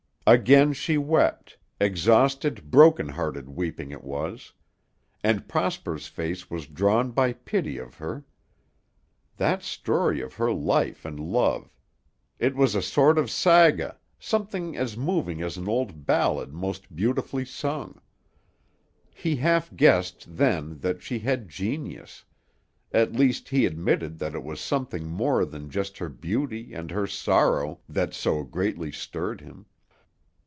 Again she wept, exhausted, broken hearted weeping it was. And Prosper's face was drawn by pity of her. That story of her life and love, it was a sort of saga, something as moving as an old ballad most beautifully sung. He half guessed then that she had genius; at least, he admitted that it was something more than just her beauty and her sorrow that so greatly stirred him.